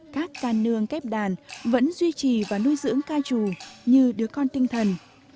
các ca nương kép đàn vẫn duy trì và nuôi dưỡng ca chủ như đứa con tinh thần